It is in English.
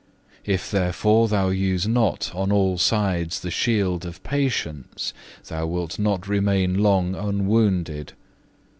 If therefore thou use not on all sides the shield of patience, thou wilt not remain long unwounded.